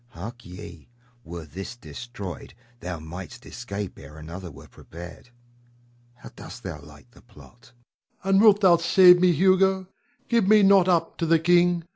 Hark ye! were this destroyed, thou might'st escape ere another were prepared. How dost thou like the plot? Rod. And wilt thou save me, Hugo? Give me not up to the king!